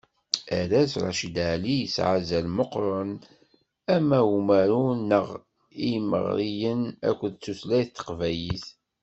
Arraz Racid Ɛellic yesɛa azal meqqren ama i umaru, neɣ i yimeɣriyen, akked tutlayt n teqbaylit.